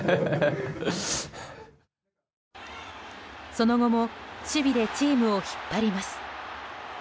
その後も守備でチームを引っ張ります。